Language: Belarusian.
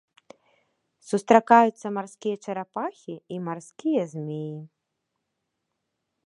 Сустракаюцца марскія чарапахі і марскія змеі.